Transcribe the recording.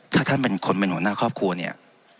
ถ้าท่านเป็นคนเป็นหัวหน้าครอบครัวเนี่ย